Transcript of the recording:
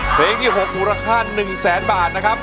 เพลงที่๖มูลค่า๑แสนบาทนะครับ